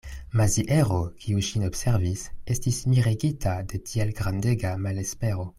Maziero, kiu ŝin observis, estis miregita de tiel grandega malespero.